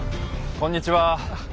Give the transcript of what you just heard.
こんにちは。